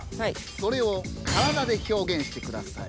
それをからだで表現してください。